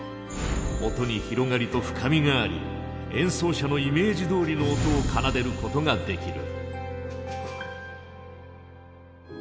音に広がりと深みがあり演奏者のイメージどおりの音を奏でることができる。